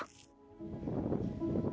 memikul beban sulit yang harus dilakukan